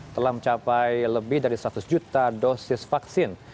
telah mencapai lebih dari seratus juta dosis vaksin